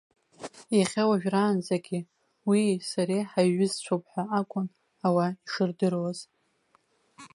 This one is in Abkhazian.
Иахьа уажәраанӡагьы уии сареи ҳаиҩызцәоуп ҳәа акәын ауаа ишырдыруаз.